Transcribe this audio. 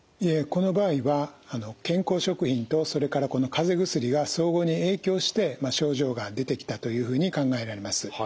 この場合は健康食品とそれからこのかぜ薬が相互に影響して症状が出てきたというふうに考えられます。